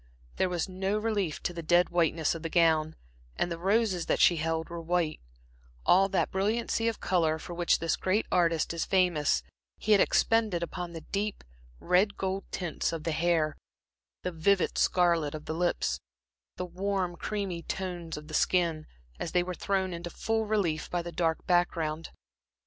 There was no relief to the dead whiteness of the gown, and the roses that she held were white; all that brilliancy of color, for which this great artist is famous, he had expended upon the deep red gold tints of the hair, the vivid scarlet of the lips, the warm creamy tones of the skin, as they were thrown into full relief by the dark background.